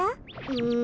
うん。